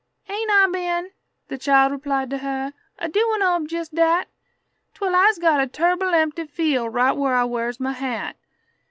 "Ain't I been," the child replied to her, "a doin' ob jes' dat Twel I's got a turble empty feel right whur I wears muh hat?